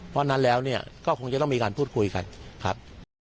เพราะฉะนั้นแล้วเนี่ยก็คงจะต้องมีการพูดคุยกันครับ